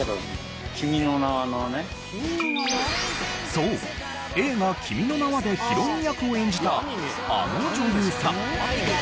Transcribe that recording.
そう映画『君の名は』でヒロイン役を演じたあの女優さん。